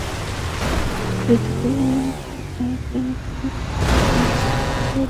যদি তুমি আর কোনো বিতর্কে না জড়াও, তাহলে তোমার ভালো সম্ভাবনা আছে।